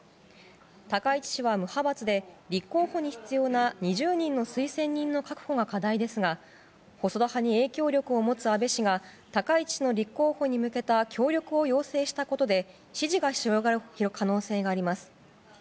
高市氏は無派閥で立候補に必要な２０人の推薦人の確保が課題ですが細田派に影響力を持つ安倍氏が高市氏の立候補に向けた協力を要請したことで支持が広がる可能性があります。